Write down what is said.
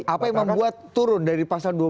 apa yang membuat turun dari pasal dua puluh